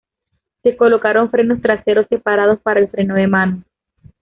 Se colocaron frenos traseros separados para el freno de mano.